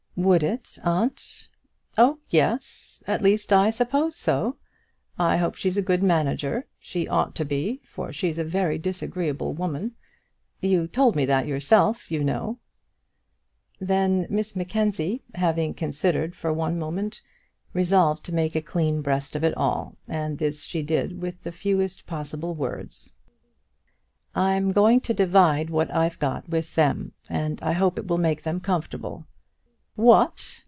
"Would it, aunt?" "Oh, yes; at least, I suppose so. I hope she's a good manager. She ought to be, for she's a very disagreeable woman. You told me that yourself, you know." Then Miss Mackenzie, having considered for one moment, resolved to make a clean breast of it all, and this she did with the fewest possible words. "I'm going to divide what I've got with them, and I hope it will make them comfortable." "What!"